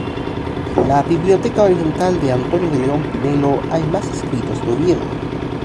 En la "Biblioteca oriental" de Antonio de León Pinelo hay más escritos de Oviedo.